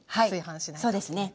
そうですね。